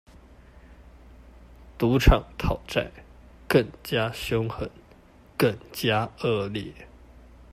賭場討債更加兇狠、更加惡劣